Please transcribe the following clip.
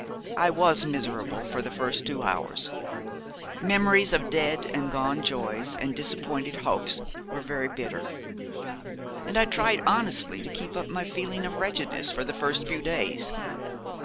I was miserable for the first two hours. Memories of dead and gone joys and disappointed hopes were very bitter. And I tried honestly to keep up my feeling of wretchedness for the first few days.